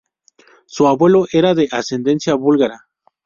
Su abuelo era de ascendencia búlgara.